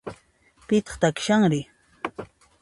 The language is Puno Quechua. Pitaq takishanri?